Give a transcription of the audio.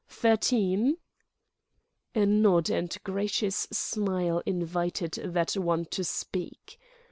Thirteen?" A nod and gracious smile invited that one to speak.